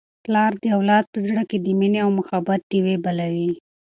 پلار د اولاد په زړه کي د مینې او محبت ډېوې بلوي.